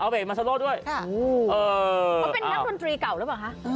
เขาเป็นน้ำคนตรีเก่าหรือเปล่า